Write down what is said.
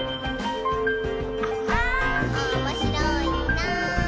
「おもしろいなぁ」